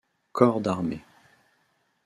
Corps d'Armée.